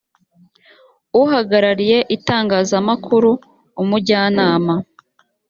uhagarariye itangazamakuru umujyanama